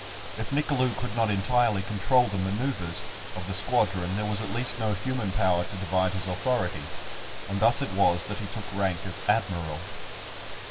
If Nicolou could not entirely control the manoeuvres of the squadron, there was at least no human power to divide his authority, and thus it was that he took rank as "Admiral."